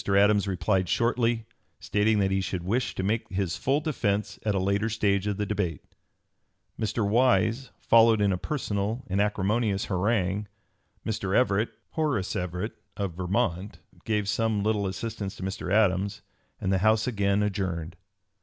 Adams replied shortly, stating that he should wish to make his full defence at a later stage of the debate. Mr. Wise followed in a personal and acrimonious harangue; Mr. Everett gave some little assistance to Mr. Adams, and the House again adjourned.